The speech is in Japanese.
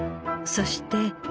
そして。